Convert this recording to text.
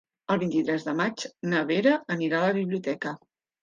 El vint-i-tres de maig na Vera anirà a la biblioteca.